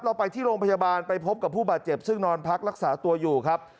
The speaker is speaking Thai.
เราไปที่โรงพยาบาลไปพบกับผู้บาดเจ็บซึ่งนอนพักรักษาตัวอยู่ครับ